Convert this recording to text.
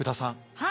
はい。